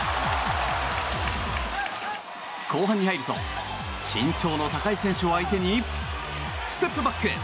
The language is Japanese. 後半に入ると、身長の高い選手を相手にステップバック！